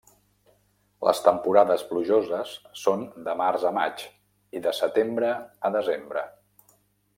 Les temporades plujoses són de març a maig i de setembre a desembre.